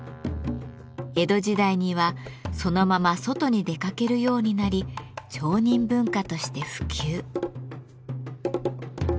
江戸時代にはそのまま外に出かけるようになり町人文化として普及。